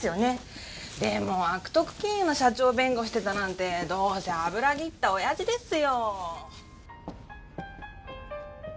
でも悪徳金融の社長を弁護してたなんてどうせ脂ぎった親父ですよ！